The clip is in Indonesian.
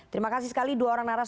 terima kasih sekali dua orang narasum